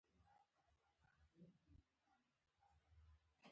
د شپې څه باندې دوه بجې وې.